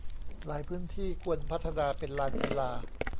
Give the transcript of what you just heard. หลายพื้นที่ควรพัฒนาเป็นลานกีฬา